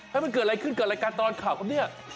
ถ้ามันเกิดอะไรขึ้นเกิดรายการตอนข่าวแบบเนี้ย